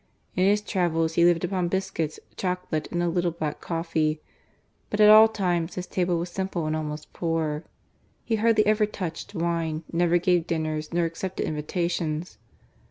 In his travels he lived upon biscuits, chocolate, and a little black coffee. But at all times, his table was simple and almost poor. He hardly ever touched wine, never gave dinners, nor accepted invitations.